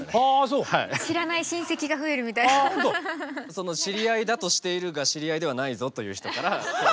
その知り合いだとしているが知り合いではないぞという人から。